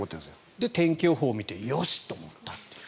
それで天気を見てよし！と思ったという。